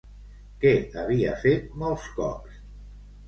Què havia fet molts cops?